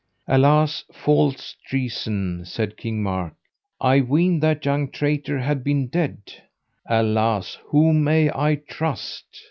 Alas, false treason, said King Mark, I weened that young traitor had been dead. Alas, whom may I trust?